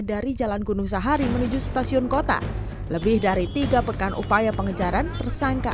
dari jalan gunung sahari menuju stasiun kota lebih dari tiga pekan upaya pengejaran tersangka